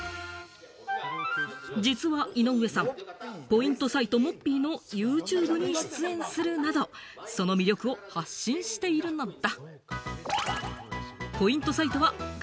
実は井上さん、ポイントサイト・モッピーのユーチューブに出演するなど、その魅力を発信しているのだ。